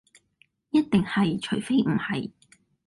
一定係除非唔係